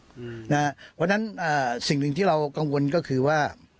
เพราะฉะนั้นสิ่งหนึ่งที่เรากังวลก็คือว่า